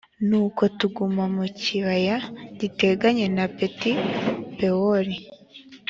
nuko tuguma mu kibaya giteganye na beti-pewori.